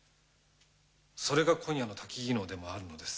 それが今夜の薪能でもあるのです。